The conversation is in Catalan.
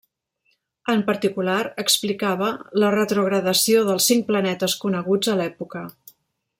En particular explicava la retrogradació dels cinc planetes coneguts a l'època.